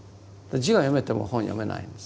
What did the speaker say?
字が読めても本読めないんです。